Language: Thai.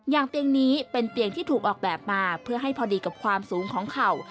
อย่างเตียงนี้เป็นเตียงที่ถูกออกแบบมาเพื่อให้พอดีกับความสูงของเข่า